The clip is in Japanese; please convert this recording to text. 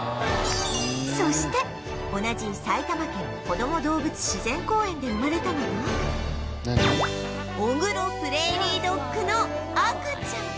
そして同じ埼玉県こども動物自然公園で生まれたのがオグロプレーリードッグの赤ちゃん